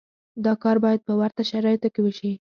دا کار باید په ورته شرایطو کې وشي.